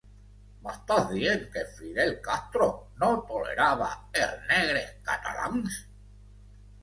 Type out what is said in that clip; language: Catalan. M'estàs dient que Fidel Castro no tolerava els negres catalans?